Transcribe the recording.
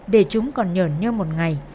để chúng còn nhờn như một ngày